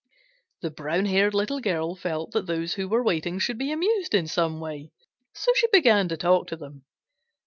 The brown haired Little Girl felt that those who were waiting should be amused in some way, so she began to talk to them.